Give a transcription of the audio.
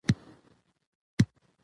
زرکه وړې وړې خبرې کوي